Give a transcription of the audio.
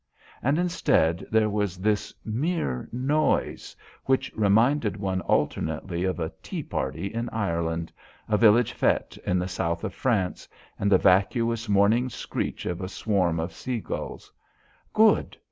And instead, there was this mere noise, which reminded one alternately of a tea party in Ireland, a village fête in the south of France, and the vacuous morning screech of a swarm of sea gulls. "Good.